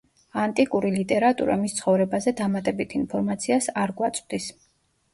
ანტიკური ლიტერატურა მის ცხოვრებაზე დამატებით ინფორმაციას არ გვაწვდის.